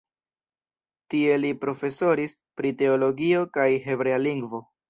Tie li profesoris pri teologio kaj hebrea lingvo.